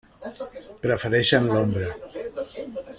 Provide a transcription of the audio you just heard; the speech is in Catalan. Prefereixen l'ombra.